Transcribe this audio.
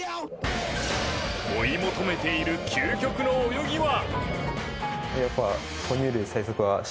追い求めている究極の泳ぎは。